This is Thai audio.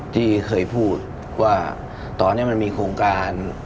ที่เคยพูดว่าตอนนี้มันมีโครงการ